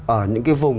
ở những cái vùng